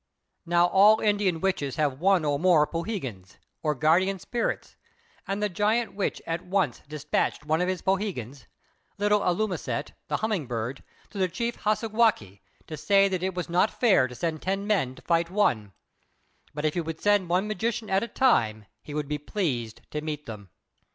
Now all Indian witches have one or more "poohegans," or guardian spirits, and the Giant Witch at once despatched one of his poohegans, little "Alūmūset," the Humming bird, to the chief Hassagwākq' to say that it was not fair to send ten men to fight one; but if he would send one magician at a time, he would be pleased to meet them.